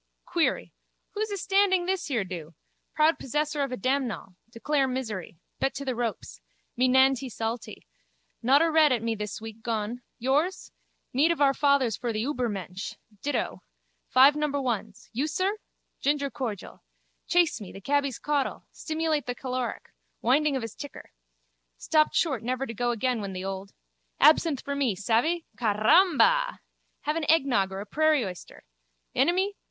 Query. Who's astanding this here do? Proud possessor of damnall. Declare misery. Bet to the ropes. Me nantee saltee. Not a red at me this week gone. Yours? Mead of our fathers for the Übermensch. Dittoh. Five number ones. You, sir? Ginger cordial. Chase me, the cabby's caudle. Stimulate the caloric. Winding of his ticker. Stopped short never to go again when the old. Absinthe for me, savvy? Caramba! Have an eggnog or a prairie oyster. Enemy?